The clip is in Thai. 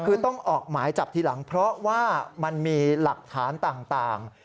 คือต้องออกหมายจับทีหลังเพราะว่ามันมีหลักฐานต่าง